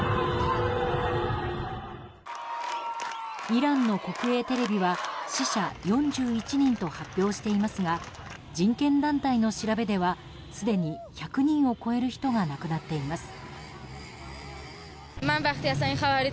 イランの国営テレビは死者４１人と発表していますが人権団体の調べではすでに１００人を超える人が亡くなっています。